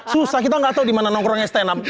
susah kita nggak tahu di mana nongkrongnya stand up